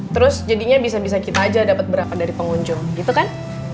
terus jadinya bisa bisa kita aja dapat berapa dari pengunjung gitu kan